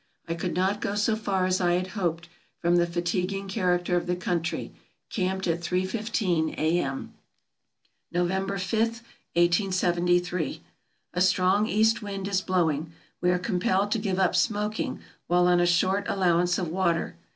I could not go so far as I had hoped, from the fatiguing character of the country. Camped at three fifteen A.M. November 5, 1873. — A strong east wind is blowing. We are compelled to give up smoking while on a short allowance of water.